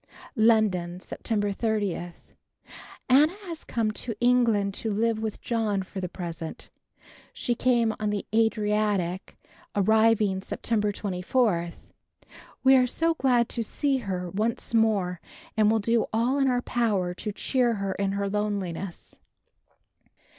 London, September 30. Anna has come to England to live with John for the present. She came on the Adriatic, arriving September 24. We are so glad to see her once more and will do all in our power to cheer her in her loneliness.